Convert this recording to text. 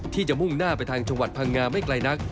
ที่จะมุ่งหน้าไปทางจังหวัดพังงาไม่ไกลนัก